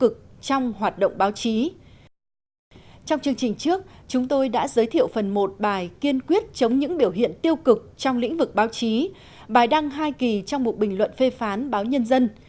chúng tôi đã giới thiệu phần một bài kiên quyết chống những biểu hiện tiêu cực trong lĩnh vực báo chí bài đăng hai kỳ trong một bình luận phê phán báo nhân dân